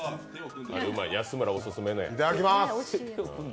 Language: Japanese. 安村オススメの。